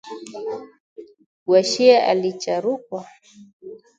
Washie alicharukwa